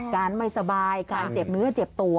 ไม่สบายการเจ็บเนื้อเจ็บตัว